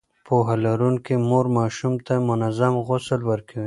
پوهه لرونکې مور ماشوم ته منظم غسل ورکوي.